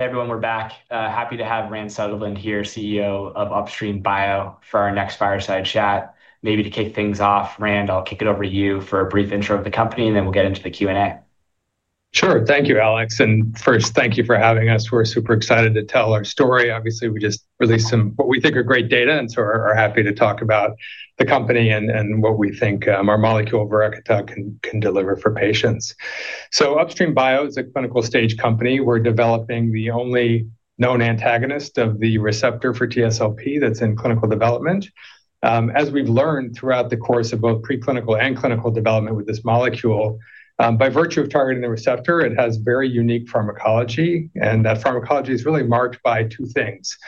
Hey everyone, we're back. Happy to have Rand Sutherland here, CEO of Upstream Bio, for our next fireside chat. Maybe to kick things off, Rand, I'll kick it over to you for a brief intro of the company, and then we'll get into the Q&A. Sure, thank you, Alex. First, thank you for having us. We're super excited to tell our story. Obviously, we just released some what we think are great data, and we're happy to talk about the company and what we think our molecule, Viraqita, can deliver for patients. Upstream Bio is a clinical-stage company. We're developing the only known antagonist of the receptor for TSLP that's in clinical development. As we've learned throughout the course of both preclinical and clinical development with this molecule, by virtue of targeting the receptor, it has very unique pharmacology, and that pharmacology is really marked by two things,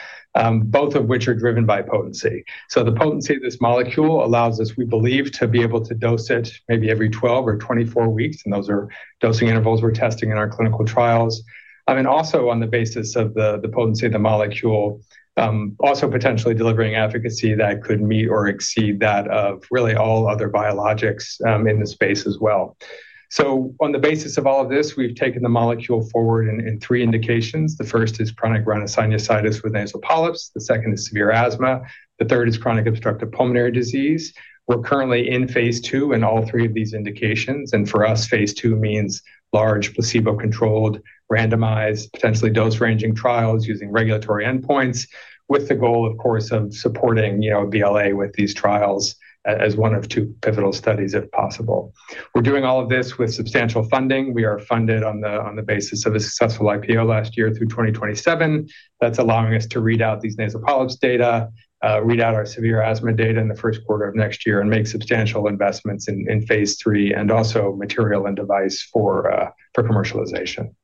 both of which are driven by potency. The potency of this molecule allows us, we believe, to be able to dose it maybe every 12 or 24 weeks, and those are dosing intervals we're testing in our clinical trials. Also, on the basis of the potency of the molecule, potentially delivering efficacy that could meet or exceed that of really all other biologics in the space as well. On the basis of all of this, we've taken the molecule forward in three indications. The first is chronic rhinosinusitis with nasal polyps. The second is severe asthma. The third is chronic obstructive pulmonary disease. We're currently in phase 2 in all three of these indications, and for us, phase 2 means large placebo-controlled, randomized, potentially dose-ranging trials using regulatory endpoints with the goal, of course, of supporting BLA with these trials as one of two pivotal studies if possible. We're doing all of this with substantial funding. We are funded on the basis of a successful IPO last year through 2027. That's allowing us to read out these nasal polyps data, read out our severe asthma data in the first quarter of next year, and make substantial investments in phase 3 and also material and device for commercialization.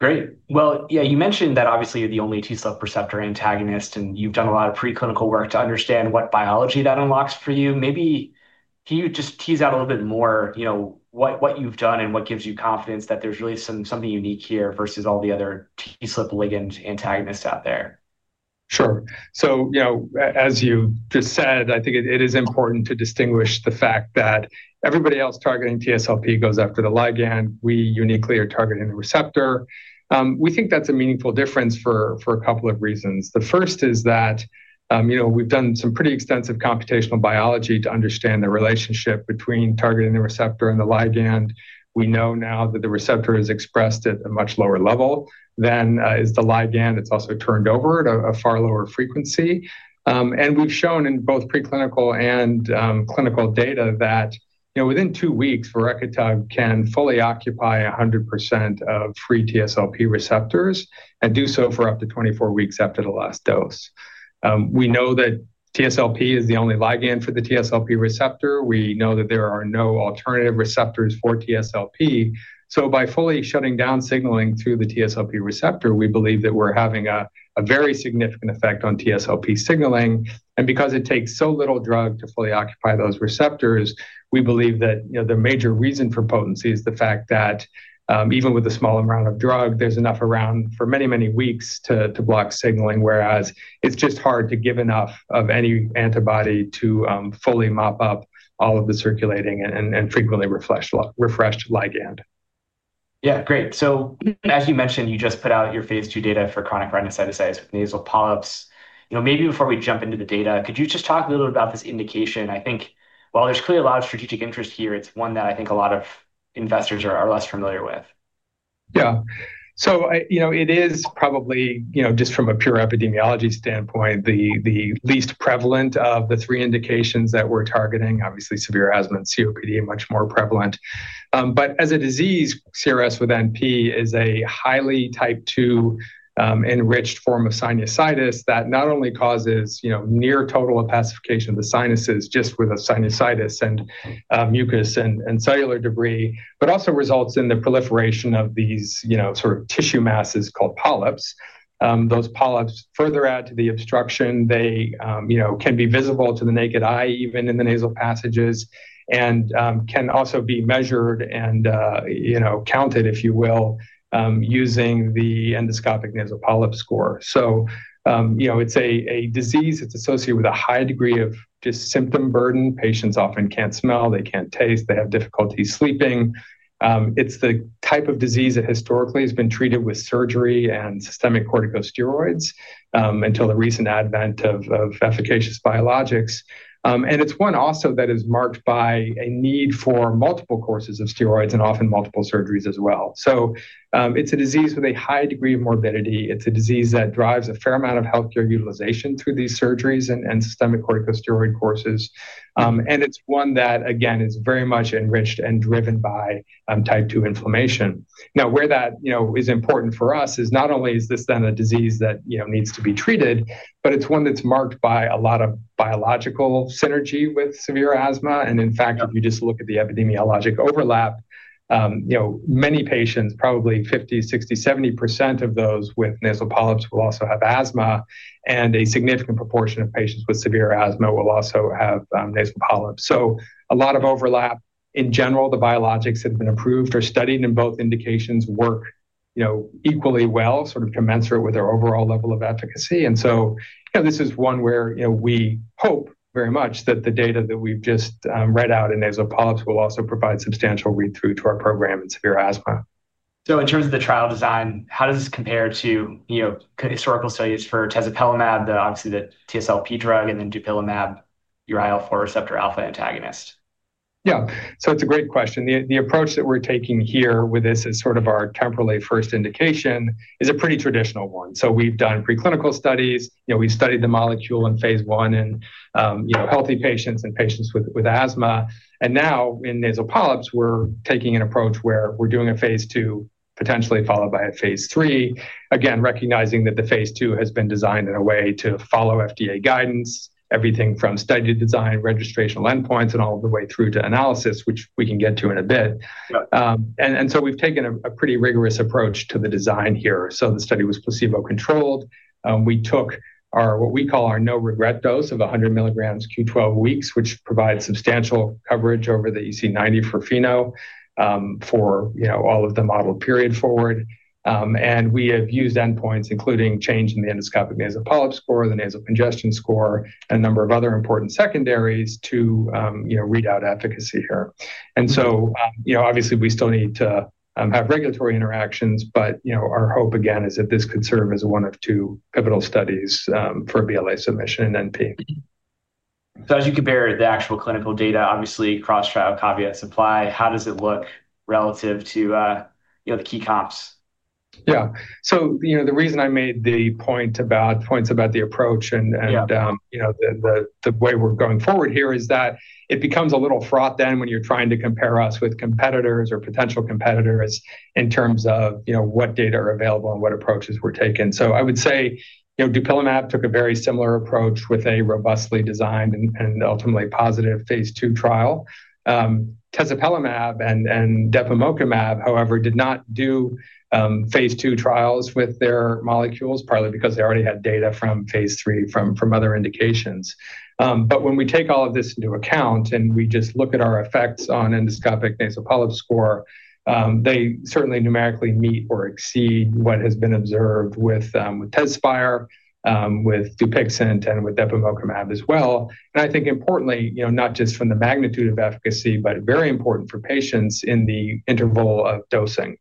Great. You mentioned that obviously you're the only TSLP receptor antagonist, and you've done a lot of preclinical work to understand what biology that unlocks for you. Maybe can you just tease out a little bit more, you know, what you've done and what gives you confidence that there's really something unique here versus all the other TSLP ligand antagonists out there? Sure. As you just said, I think it is important to distinguish the fact that everybody else targeting TSLP goes after the ligand. We uniquely are targeting the receptor. We think that's a meaningful difference for a couple of reasons. The first is that we've done some pretty extensive computational biology to understand the relationship between targeting the receptor and the ligand. We know now that the receptor is expressed at a much lower level than is the ligand. It's also turned over at a far lower frequency. We've shown in both preclinical and clinical data that within two weeks, Viraqita can fully occupy 100% of free TSLP receptors and do so for up to 24 weeks after the last dose. We know that TSLP is the only ligand for the TSLP receptor. We know that there are no alternative receptors for TSLP. By fully shutting down signaling through the TSLP receptor, we believe that we're having a very significant effect on TSLP signaling. Because it takes so little drug to fully occupy those receptors, we believe that the major reason for potency is the fact that even with a small amount of drug, there's enough around for many, many weeks to block signaling, whereas it's just hard to give enough of any antibody to fully mop up all of the circulating and frequently refreshed ligand. Great. As you mentioned, you just put out your phase 2 data for chronic rhinosinusitis with nasal polyps. Maybe before we jump into the data, could you just talk a little bit about this indication? I think, while there's clearly a lot of strategic interest here, it's one that I think a lot of investors are less familiar with. Yeah. It is probably, just from a pure epidemiology standpoint, the least prevalent of the three indications that we're targeting. Obviously, severe asthma and chronic obstructive pulmonary disease (COPD) are much more prevalent. As a disease, chronic rhinosinusitis with nasal polyps (CRSwNP) is a highly type 2 enriched form of sinusitis that not only causes near total opacification of the sinuses with sinusitis and mucus and cellular debris, but also results in the proliferation of these tissue masses called polyps. Those polyps further add to the obstruction. They can be visible to the naked eye, even in the nasal passages, and can also be measured and counted, if you will, using the endoscopic nasal polyp score. It is a disease that's associated with a high degree of symptom burden. Patients often can't smell, they can't taste, they have difficulty sleeping. It's the type of disease that historically has been treated with surgery and systemic corticosteroids until the recent advent of efficacious biologics. It is one also that is marked by a need for multiple courses of steroids and often multiple surgeries as well. It is a disease with a high degree of morbidity. It is a disease that drives a fair amount of healthcare utilization through these surgeries and systemic corticosteroid courses. It is one that, again, is very much enriched and driven by type 2 inflammation. Where that is important for us is not only is this then a disease that needs to be treated, but it's one that's marked by a lot of biological synergy with severe asthma. In fact, if you just look at the epidemiologic overlap, many patients, probably 50%, 60%, 70% of those with nasal polyps will also have asthma, and a significant proportion of patients with severe asthma will also have nasal polyps. A lot of overlap. In general, the biologics that have been approved or studied in both indications work equally well, sort of commensurate with their overall level of efficacy. This is one where we hope very much that the data that we've just read out in nasal polyps will also provide substantial read-through to our program in severe asthma. In terms of the trial design, how does this compare to historical studies for Tezepelumab, obviously the TSLP drug, and then Dupilumab, your IL-4 receptor alpha antagonist? Yeah, it's a great question. The approach that we're taking here with this as sort of our temporally first indication is a pretty traditional one. We've done preclinical studies. We've studied the molecule in phase one in healthy patients and patients with asthma. Now in nasal polyps, we're taking an approach where we're doing a phase 2, potentially followed by a phase 3. Again, recognizing that the phase 2 has been designed in a way to follow FDA guidance, everything from study design, registrational endpoints, and all the way through to analysis, which we can get to in a bit. We've taken a pretty rigorous approach to the design here. The study was placebo-controlled. We took what we call our no-regret dose of 100 milligrams q. 12 weeks, which provides substantial coverage over the EC90 for FeNO for all of the model period forward. We have used endpoints, including change in the endoscopic nasal polyp score, the nasal congestion score, and a number of other important secondaries to read out efficacy here. Obviously, we still need to have regulatory interactions, but our hope, again, is that this could serve as one of two pivotal studies for BLA submission and NP. As you compare the actual clinical data, obviously cross-trial caveats apply. How does it look relative to, you know, the key comps? Yeah, so, you know, the reason I made the point about the approach and, you know, the way we're going forward here is that it becomes a little fraught when you're trying to compare us with competitors or potential competitors in terms of, you know, what data are available and what approaches were taken. I would say, you know, Dupilumab (Dupixent) took a very similar approach with a robustly designed and ultimately positive phase 2 trial. Tezepelumab (Tezspire) and Depemokimab, however, did not do phase 2 trials with their molecules, partly because they already had data from phase 3 from other indications. When we take all of this into account and we just look at our effects on endoscopic nasal polyp score, they certainly numerically meet or exceed what has been observed with Tezepelumab (Tezspire), with Dupilumab (Dupixent), and with Depemokimab as well. I think importantly, not just from the magnitude of efficacy, but very important for patients is the interval of dosing.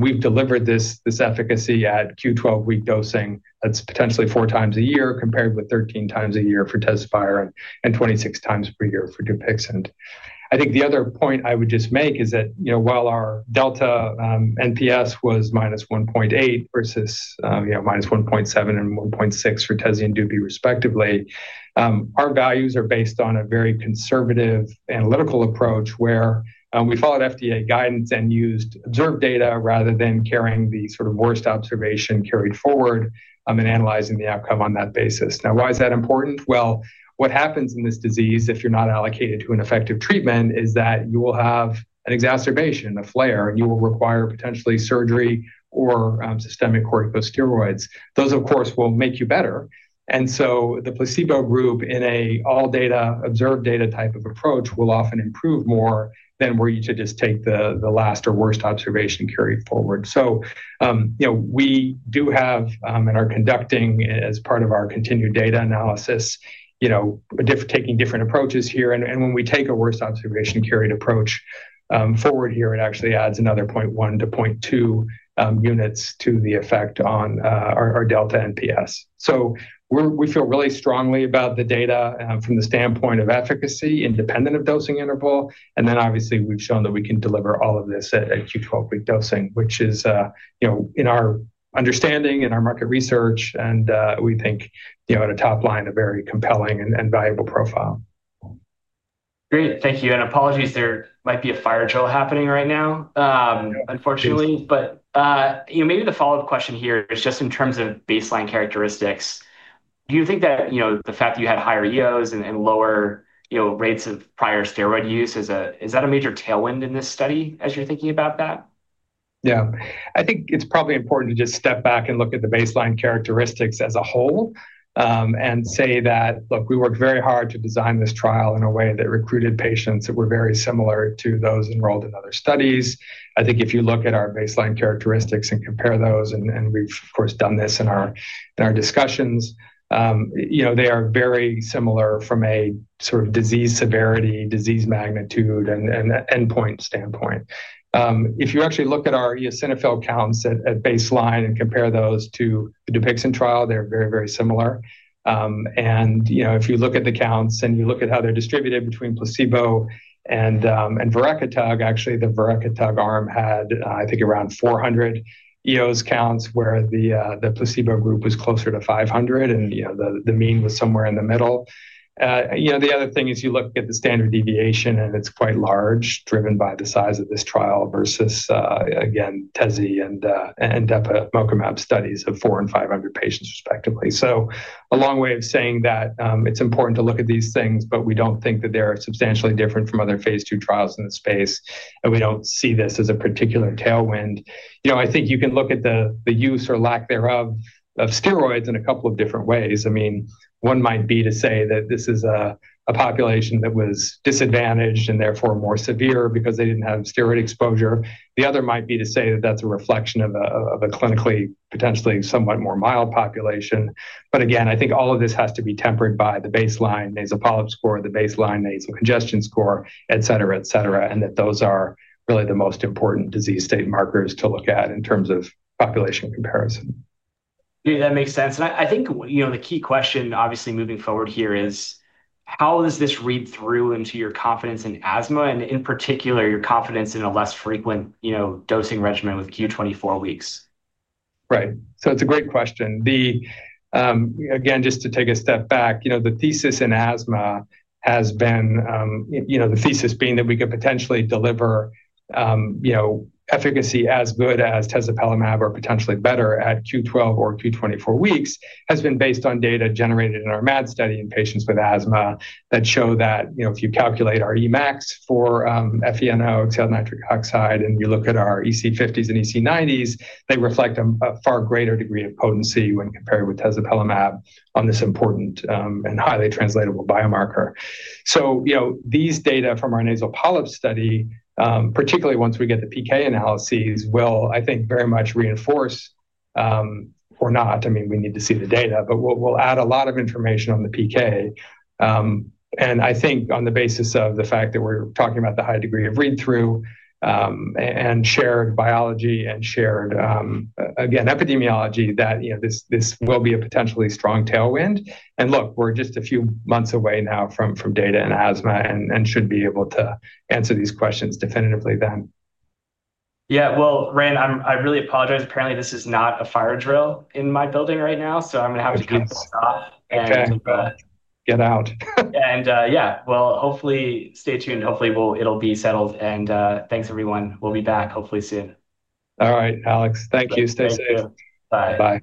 We've delivered this efficacy at q12-week dosing. That's potentially four times a year compared with 13 times a year for Tezepelumab (Tezspire) and 26 times per year for Dupilumab (Dupixent). I think the other point I would just make is that, you know, while our delta NPS was minus 1.8 versus, you know, minus 1.7 and 1.6 for Tezepelumab (Tezspire) and Dupilumab (Dupixent), respectively, our values are based on a very conservative analytical approach where we followed FDA guidance and used observed data rather than carrying the sort of worst observation carried forward and analyzing the outcome on that basis. Now, why is that important? What happens in this disease if you're not allocated to an effective treatment is that you will have an exacerbation, a flare, and you will require potentially surgery or systemic corticosteroids. Those, of course, will make you better. The placebo group in an all-data observed data type of approach will often improve more than where you just take the last or worst observation carried forward. We do have and are conducting as part of our continued data analysis, taking different approaches here. When we take a worst observation carried forward approach here, it actually adds another 0.1 to 0.2 units to the effect on our delta NPS. We feel really strongly about the data from the standpoint of efficacy independent of dosing interval. Obviously, we've shown that we can deliver all of this at q12-week dosing, which is, in our understanding, in our market research, and we think, at a top line, a very compelling and valuable profile. Great, thank you. Apologies, there might be a fire drill happening right now, unfortunately. Maybe the follow-up question here is just in terms of baseline characteristics. Do you think that the fact that you had higher eos and lower rates of prior steroid use is a major tailwind in this study as you're thinking about that? Yeah, I think it's probably important to just step back and look at the baseline characteristics as a whole and say that, look, we worked very hard to design this trial in a way that recruited patients that were very similar to those enrolled in other studies. I think if you look at our baseline characteristics and compare those, and we've, of course, done this in our discussions, you know, they are very similar from a sort of disease severity, disease magnitude, and endpoint standpoint. If you actually look at our eosinophil counts at baseline and compare those to the Dupilumab (Dupixent) trial, they're very, very similar. If you look at the counts and you look at how they're distributed between placebo and Viraqita, actually the Viraqita arm had, I think, around 400 eosinophil counts where the placebo group was closer to 500, and the mean was somewhere in the middle. The other thing is you look at the standard deviation, and it's quite large, driven by the size of this trial versus, again, Tezepelumab (Tezspire) and Depemokimab studies of 400 and 500 patients respectively. It's a long way of saying that it's important to look at these things, but we don't think that they're substantially different from other phase 2 trials in this space, and we don't see this as a particular tailwind. I think you can look at the use or lack thereof of steroids in a couple of different ways. One might be to say that this is a population that was disadvantaged and therefore more severe because they didn't have steroid exposure. The other might be to say that that's a reflection of a clinically potentially somewhat more mild population. Again, I think all of this has to be tempered by the baseline endoscopic nasal polyp score, the baseline nasal congestion score, et cetera, et cetera, and that those are really the most important disease state markers to look at in terms of population comparison. Yeah, that makes sense. I think the key question obviously moving forward here is how does this read through into your confidence in asthma, and in particular your confidence in a less frequent dosing regimen with q. 24 weeks? Right. It's a great question. Again, just to take a step back, the thesis in asthma has been the thesis being that we could potentially deliver efficacy as good as Tezepelumab or potentially better at q12 or q24 weeks, based on data generated in our MAT study in patients with asthma that show that if you calculate our Emax for ethionyl oxalic nitric oxide and you look at our EC50s and EC90s, they reflect a far greater degree of potency when compared with Tezepelumab on this important and highly translatable biomarker. These data from our nasal polyp study, particularly once we get the PK analyses, will I think very much reinforce or not. I mean, we need to see the data, but will add a lot of information on the PK. On the basis of the fact that we're talking about the high degree of read-through and shared biology and shared epidemiology, this will be a potentially strong tailwind. We're just a few months away now from data in asthma and should be able to answer these questions definitively then. Yeah, Rand, I really apologize. Apparently, this is not a fire drill in my building right now. I'm going to have to get off. Get out. Hopefully, stay tuned. Hopefully, it'll be settled. Thanks everyone. We'll be back hopefully soon. All right, Alexander. Thank you. Stay safe. Bye. Bye.